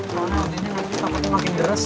soalnya nanti takut makin deres